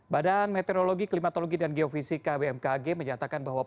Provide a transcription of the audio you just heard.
badan meteorologi klimatologi dan geofisika bmkg menyatakan bahwa